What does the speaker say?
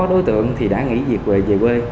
có đối tượng thì đã nghỉ việc về quê